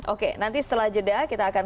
oke nanti setelah jeda kita akan